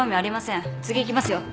次行きますよ。